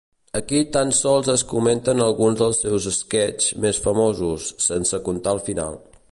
Aquí tan sols es comenten alguns dels seus sketchs més famosos, sense contar el final.